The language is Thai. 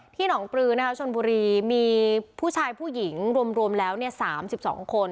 หนองปลือนะคะชนบุรีมีผู้ชายผู้หญิงรวมแล้ว๓๒คน